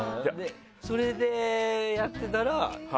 それでやってたら。